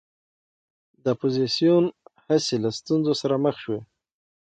د اپوزېسیون هڅې له ستونزو سره مخ شوې.